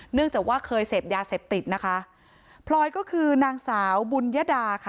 เนื่องจากว่าเคยเสพยาเสพติดนะคะพลอยก็คือนางสาวบุญยดาค่ะ